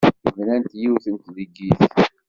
Bnan yiwet n tleggit.